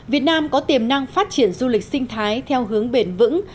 việt nam có tiềm năng phát triển du lịch sinh thái theo hướng bền vững